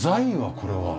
これは。